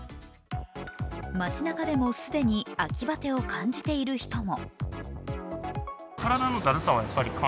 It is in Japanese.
街なかでも既に秋バテを感じている人も。